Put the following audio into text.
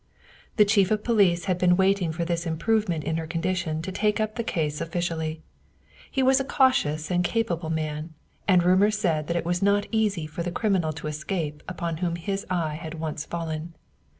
The chief of police had been waiting for this improve ment in her condition to take up the case officially. He was a cautious and capable man, and rumor said that it was not easy for the criminal to escape upon whom his eye had once fallen.